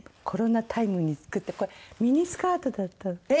コロナタイムに作ったこれミニスカートだったの。